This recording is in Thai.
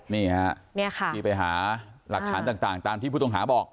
นี่ฮะที่ไปหาหลักฐานต่างตามที่ผู้ต้องหาบอก